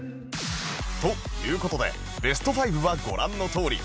という事でベスト５はご覧のとおり